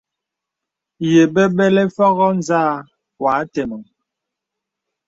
Ye bəbələ fògo nzà wà àteməŋ.